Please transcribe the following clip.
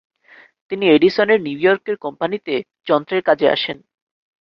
তিনি এডিসনের নিউইয়র্কের কোম্পানিতে যন্ত্রের কাজে আসেন।